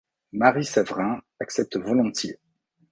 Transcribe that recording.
Marie Severin accepte volontiers.